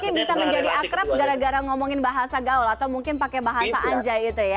atau mungkin bisa menjadi akrab gara gara ngomongin bahasa gaul atau mungkin pakai bahasa anja gitu ya